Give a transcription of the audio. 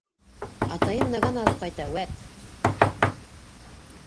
Атайым наган алып ҡайта, үәт!